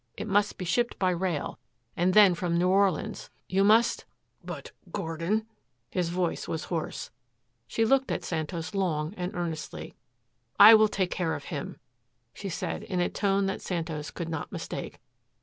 It must be shipped by rail, and then from New Orleans. You must " "But Gordon?" His voice was hoarse. She looked at Santos long and earnestly. "I will take care of him," she said in a tone that Santos could not mistake.